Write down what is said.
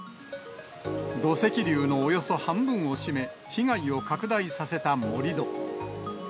土石流のおよそ半分を占め、被害を拡大させた盛り土。